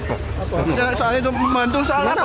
soalnya itu membantu soalnya pak